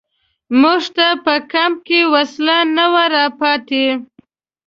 موږ ته په کمپ کې وسله نه وه را پاتې.